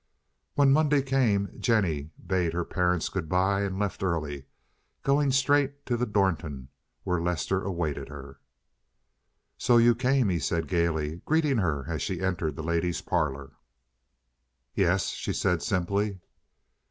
When Monday came Jennie bade her parents good by and left early, going straight to the Dornton, where Lester awaited her. "So you came," he said gaily, greeting her as she entered the ladies' parlor. "Yes," she said simply.